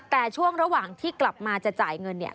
แต่ช่วงระหว่างที่กลับมาจะจ่ายเงินเนี่ย